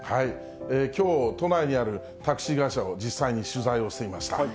きょう、都内にあるタクシー会社を実際に取材をしてみました。